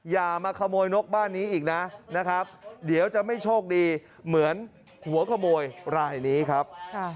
อย่ามาขโมยนกบ้านนี้อีกนะนะครับเดี๋ยวจะไม่โชคดีเหมือนหัวขโมยรายนี้ครับ